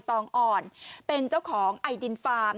ตองอ่อนเป็นเจ้าของไอดินฟาร์ม